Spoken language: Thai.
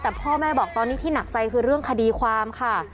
แต่พ่อแม่บอกตอนนี้ที่หนักใจคือเรื่องคดีความค่ะ